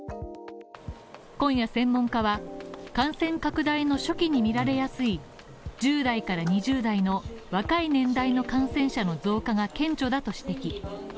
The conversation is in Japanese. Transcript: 今夜、専門家は感染拡大の初期にみられやすい１０代から２０代の若い年代の感染者の増加が顕著だと指摘。